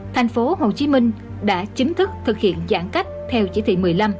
tp hcm đã chính thức thực hiện giãn cách theo chỉ thị một mươi năm